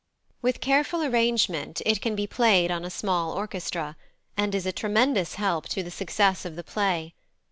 With careful arrangement it can be played on a small orchestra, and is a tremendous help to the success of the play.